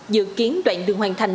dự kiến đoạn đường hoàn thành